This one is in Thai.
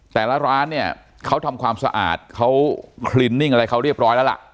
แต่ละร้านเนี่ยเขาทำความสะอาดเขาคลินนิ่งอะไรเขาเรียบร้อยแล้วล่ะ